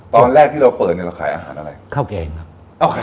ตอนแรกที่เราเปิดเราขายอาหารอะไร